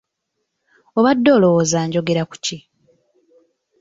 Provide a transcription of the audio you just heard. Obadde olowooza njogera ku ki?